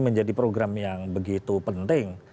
menjadi program yang begitu penting